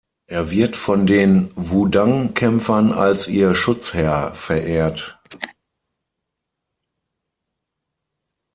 Er wird von den Wudang-Kämpfern als ihr Schutzherr verehrt.